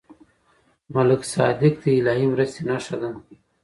ملک صادق د الهي مرستې نښه ده.